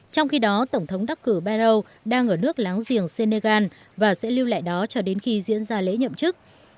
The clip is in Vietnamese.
trong khi đó tổng thống đắc cử beru đang ở nước láng giềng senegal và sẽ lưu lại đó cho đến khi diễn ra lễ nhậm chức